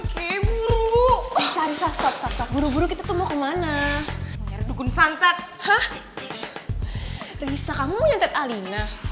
kembur bu bisa stop stop buru buru kita tuh mau kemana dukun santet hah risa kamu nyantet alina